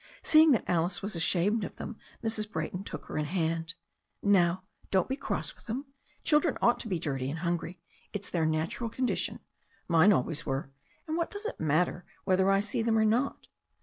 Seeing that Alice was ashamed of them, Mrs. Bra)rton took her in hand. "Now don't be cross with them. Children ought to be dirty and hungry. It's their natural condition. Mine always were. And what does it matter whether I see them or not?